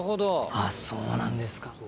あっそうなんですか。